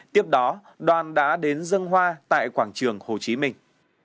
tiếp đó đoàn đã đến dân hoa tại quảng trường hồ chí minh